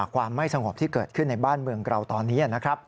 ความไม่สงบที่เกิดขึ้นในบ้านเมืองเราตอนนี้นะครับ